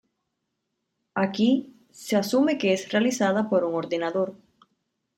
Aquí, se asume que es realizada por un ordenador.